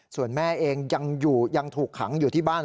ส่วนแม่เองยังอยู่ยังถูกขังอยู่ที่บ้าน